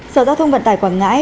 sở giao thông vận tải quảng ngãi